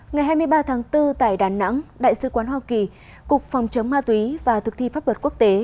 ngày hai mươi ba tháng bốn tại đà nẵng đại sứ quán hoa kỳ cục phòng chống ma túy và thực thi pháp luật quốc tế